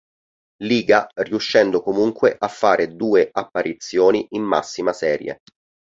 Liga riuscendo comunque a fare due apparizioni in massima serie.